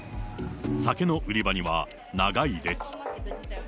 酒の売り場には長い列。